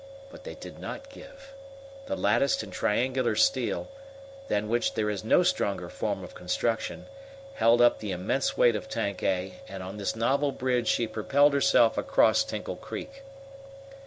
But they did not give. The latticed and triangular steel, than which there is no stronger form of construction, held up the immense weight of Tank A, and on this novel bridge she propelled herself across Tinkle Creek.